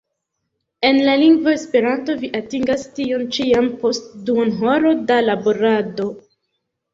En la lingvo Esperanto vi atingas tion ĉi jam post duonhoro da laborado!